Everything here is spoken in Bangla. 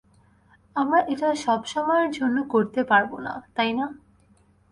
আমরা এটা সব সময়ের জন্য করতে পারব না, তাই না?